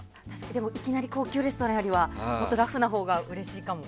でも、いきなり高級レストランよりはラフなほうがうれしいかも。